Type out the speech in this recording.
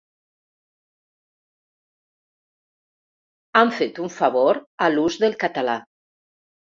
Han fet un favor a l’ús del català.